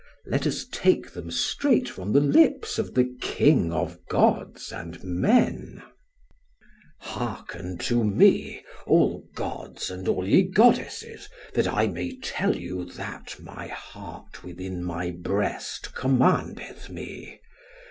Let us take them straight from the lips of the King of gods and men: "Hearken to me, all gods and all ye goddesses, that I may tell you that my heart within my breast commandeth me.